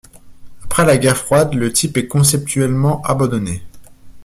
Après la Guerre froide, le type est conceptuellement abandonné.